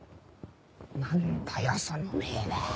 何だよその命令！